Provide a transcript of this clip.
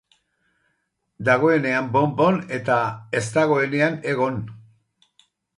Dagoenean bon-bon, eta ez dagoenean egon.